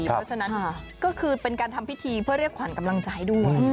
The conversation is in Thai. เพราะฉะนั้นก็คือเป็นการทำพิธีเพื่อเรียกขวัญกำลังใจด้วย